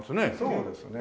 そうですね。